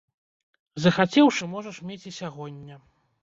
Захацеўшы, можаш мець і сягоння.